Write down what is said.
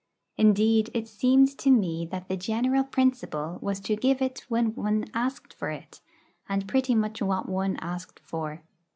Indeed, it seemed to me that the general principle was to give it when one asked for it, and pretty much what one asked for.